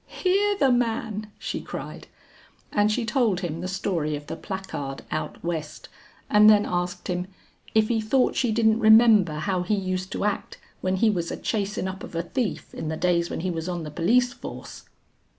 "Hear the man!" she cried. And she told him the story of the placard out west and then asked him, "if he thought she didn't remember how he used to act when he was a chasin' up of a thief in the days when he was on the police force."